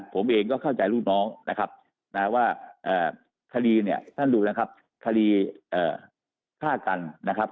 ผมเองก็เข้าใจลูกน้องนะครับนะว่าคดีเนี่ยท่านดูนะครับคดีฆ่ากันนะครับ